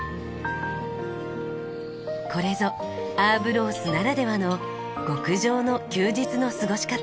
これぞアーブロースならではの極上の休日の過ごし方。